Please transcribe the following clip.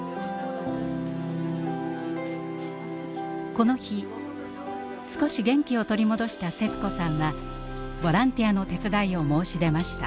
この日少し元気を取り戻したセツ子さんはボランティアの手伝いを申し出ました。